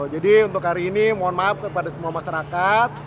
jadi untuk hari ini mohon maaf kepada semua masyarakat